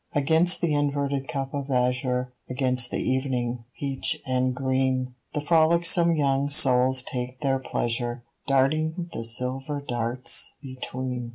Against the inverted cup of azure, Against the evening, peach and green, The frolicsome young souls take their pleasure, Darting the silver stars between.